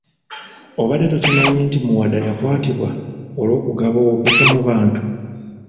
Obadde tokimanyi nti Muwada yakwatibwa olw’okugaba obupipa mu bantu.